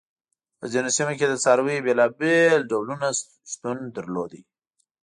په ځینو سیمو کې د څارویو بېلابېل ډولونه شتون درلود.